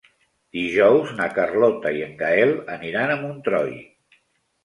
Dijous na Carlota i en Gaël aniran a Montroi.